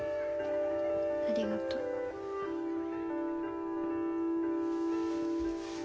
ありがとう。